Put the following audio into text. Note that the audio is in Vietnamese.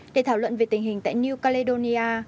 để thảo luận về tình hình tại new caledonia